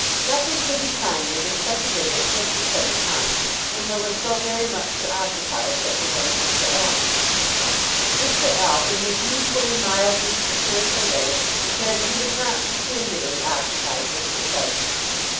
Nothing could be kinder than such a visit just at such a time, when there was so very much to occupy such a one as Mr. Alf! Mr. Alf, in his usual mildly satirical way, declared that he was not peculiarly occupied just at present.